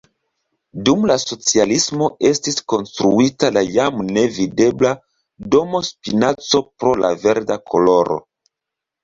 Dum la socialismo estis konstruita la jam nevidebla "Domo Spinaco" pro la verda koloro.